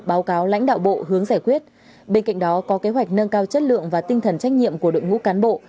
báo cáo lãnh đạo bộ hướng giải quyết bên cạnh đó có kế hoạch nâng cao chất lượng và tinh thần trách nhiệm của đội ngũ cán bộ